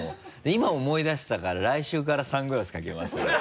今思い出したから来週からサングラスかけます俺は。